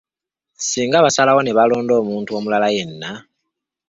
Singa basalawo ne balonda omuntu omulala yenna.